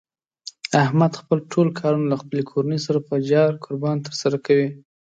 احمد خپل ټول کارونه له خپلې کورنۍ سره په جار قربان تر سره کوي.